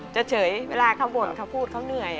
จะเฉยเวลาเขาบ่นเขาพูดเขาเหนื่อย